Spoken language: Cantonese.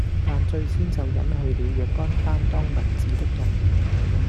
但最先就隱去了若干擔當文字的人，